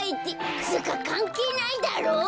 つうかかんけいないだろう。